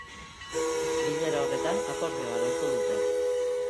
Bilera horretan akordioa lortu dute.